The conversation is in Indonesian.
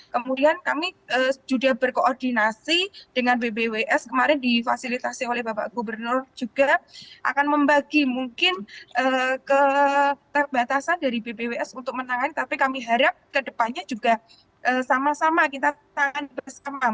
kemudian kami juga berkoordinasi dengan bbws kemarin difasilitasi oleh bapak gubernur juga akan membagi mungkin terbatasan dari bbws untuk menangani tapi kami harap ke depannya juga sama sama kita tangani bersama